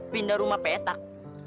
pindah rumah petak